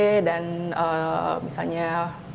kalau untuk yang aac dan misalnya untuk yang sipil